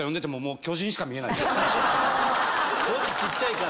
文字ちっちゃいから。